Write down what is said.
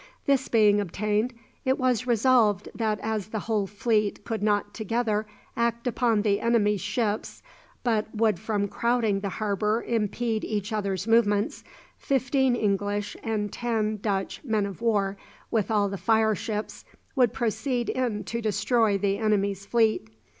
This being obtained, it was resolved that as the whole fleet could not together act upon the enemy's ships, but would from crowding the harbour impede each others' movements, fifteen English and ten Dutch men of war, with all the fire ships, should proceed in to destroy the enemy's fleet.